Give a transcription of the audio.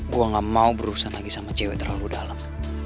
gue gak mau berurusan lagi sama cewek terlalu dalam